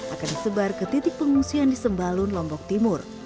akan disebar ke titik pengungsian di sembalun lombok timur